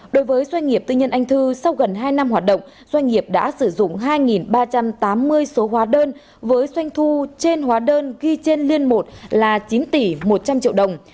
đối với doanh nghiệp tư nhân anh thư sau gần hai năm hoạt động doanh nghiệp đã sử dụng hai ba trăm tám mươi số hóa đơn với doanh thu trên hóa đơn ghi trên liên một là chín tỷ một trăm linh triệu đồng